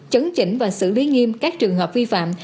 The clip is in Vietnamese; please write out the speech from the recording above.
chấn chỉnh và xử lý nghiêm các trường hợp vi phạm